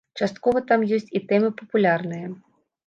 Часткова там ёсць і тэмы папулярныя.